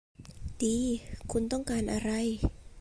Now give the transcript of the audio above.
ดี คุณต้องการอะไร